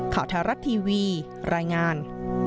ขาวธารักษ์ทีวีรายงาน